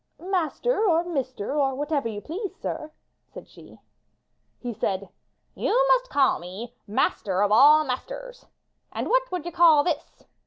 "Master or mister, or whatever you please, sir,'* said she. He said: You must call me 'master of all masters.' And what would you call this?''